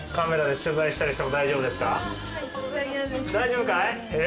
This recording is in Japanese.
大丈夫かい？